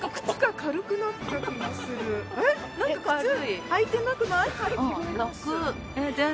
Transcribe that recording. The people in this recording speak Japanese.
えっなんか靴履いてなくない？